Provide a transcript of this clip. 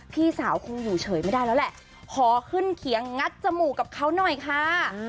พี่สาวคงอยู่เฉยไม่ได้แล้วแหละขอขึ้นเขียงงัดจมูกกับเขาหน่อยค่ะ